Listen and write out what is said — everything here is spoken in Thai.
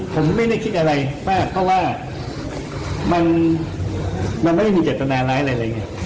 ผมไม่ได้คิดอะไรมากเพราะว่ามันไม่มีเจ็บตนาไรหรืออะไรเหมือนไง